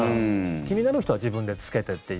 気になる人は自分で着けてっていう。